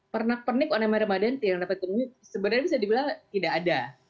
pernak pernik ornamen ramadan yang dapat ditemui sebenarnya bisa dibilang tidak ada